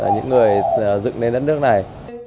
những người dựng lên đất nước này